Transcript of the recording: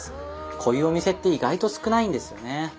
こういうお店って意外と少ないんですよね。